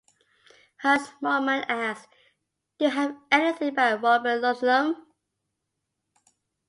Hans Moleman asks, Do you have anything by Robert Ludlum?